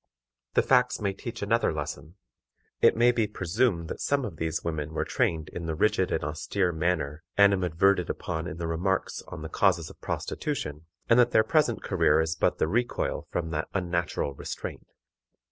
The facts may teach another lesson. It may be presumed that some of these women were trained in the rigid and austere manner animadverted upon in the remarks on the causes of prostitution, and that their present career is but the recoil from that unnatural restraint.